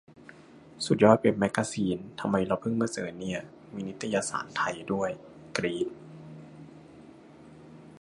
สุดยอดเว็บแม็กกาซีน ทำไมเราเพิ่งมาเจอเนี่ย ! มีนิตยสารไทยด้วย กรี๊ด !